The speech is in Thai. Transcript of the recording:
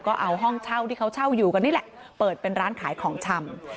ก็เอาห้องเช่าที่เขาเช่าอยู่กันนี่แหละเปิดเป็นร้านขายของชำ